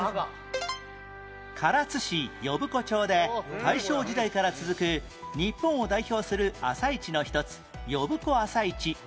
唐津市呼子町で大正時代から続く日本を代表する朝市の一つ呼子朝市